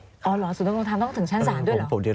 อ๋อเหรอศูนยำรงธรรมต้องถึงชั้นศาลด้วยเหรอ